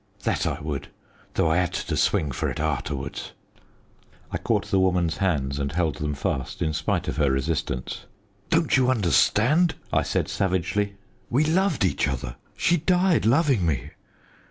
That I would, though I 'ad to swing for it arterwards." I caught the woman's hands and held them fast, in spite of her resistance. "Don't you understand?" I said savagely. "We loved each other. She died loving me.